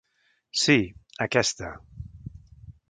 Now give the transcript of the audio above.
Sí, aquesta...